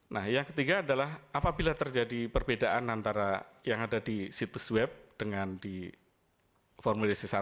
nah yang ketiga adalah apabila terjadi perbedaan antara yang ada di situs web dengan di formulir c satu